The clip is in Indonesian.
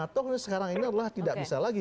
atau sekarang ini adalah tidak bisa lagi